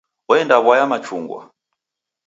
Oenda w'aya machungwa.